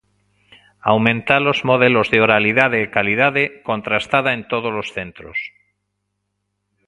Aumentar os modelos de oralidade e calidade, contrastada en todos os centros.